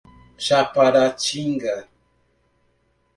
Japaratinga